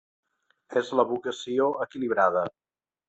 És la vocació equilibrada.